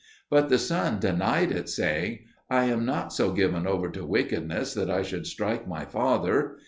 But the son denied it, saying, "I am not so given over to wickedness that I should strike my father.